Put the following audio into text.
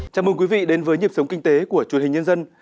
chào mừng quý vị đến với nhịp sống kinh tế của truyền hình nhân dân